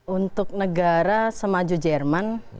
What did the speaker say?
untuk negara semaju jerman